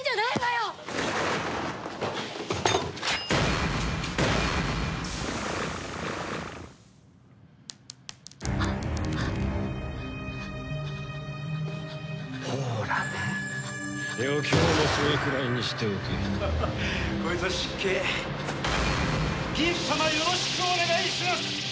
よろしくお願いします！